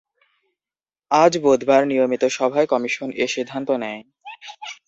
আজ বুধবার নিয়মিত সভায় কমিশন এ সিদ্ধান্ত নেয়।